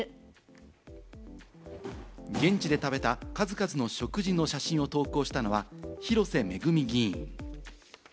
現地で食べた数々の食事の写真を投稿したのは広瀬めぐみ議員。